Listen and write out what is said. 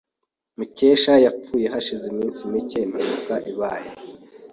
Mukesha yapfuye hashize iminsi mike impanuka ibaye.